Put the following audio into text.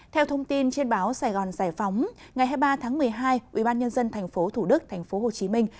theo thông tin trên báo sài gòn giải phóng ngày hai mươi ba tháng một mươi hai ubnd tp thủ đức thành phố hồ chí minh